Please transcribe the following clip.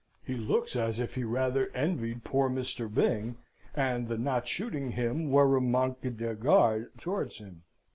He looks as if he rather envied poor Mr. Byng, and the not shooting him were a manque d'egards towards him.